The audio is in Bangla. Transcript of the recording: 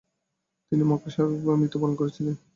তিনি মক্কায় স্বাভাবিকভাবে মৃত্যুবরণ করেছিলেন।